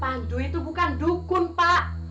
pandu itu bukan dukun pak